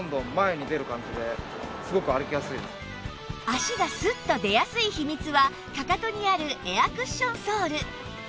足がスッと出やすい秘密はかかとにあるエアクッションソール